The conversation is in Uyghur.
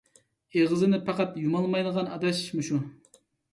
ئېغىزىنى پەقەت يۇمالمايدىغان ئاداش مۇشۇ.